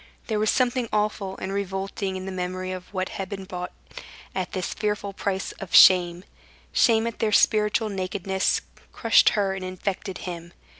There was something awful and revolting in the memory of what had been bought at this fearful price of shame. Shame at their spiritual nakedness crushed her and infected him.